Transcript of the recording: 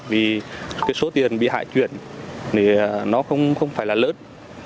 vì số tiền bị hại chuyển nó không phải là lớn